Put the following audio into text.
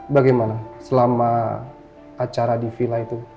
bagaimana selama acara di villa itu